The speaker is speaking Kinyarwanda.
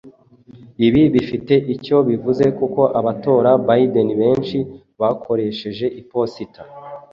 Ibi bifite icyo bivuze kuko abatora Biden benshi bakoresheje iposita